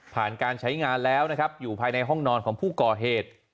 การใช้งานแล้วนะครับอยู่ภายในห้องนอนของผู้ก่อเหตุ